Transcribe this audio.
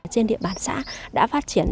trên địa bàn xã đã phát triển